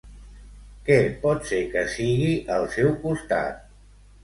Què pot ser que sigui al seu costat?